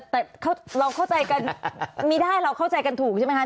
แต่เราเข้าใจกันมีได้เราเข้าใจกันถูกใช่ไหมคะ